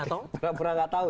pura pura nggak tahu ya